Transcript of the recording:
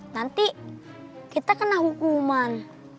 nanti kita kena hukuman